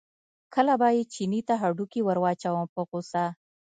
کله به یې چیني ته هډوکی ور واچاوه په غوسه.